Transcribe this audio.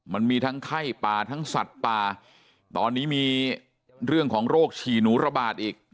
มันมีทั้งไข้ป่าทั้งสัตว์ป่าตอนนี้มีเรื่องของโรคฉี่หนูระบาดอีก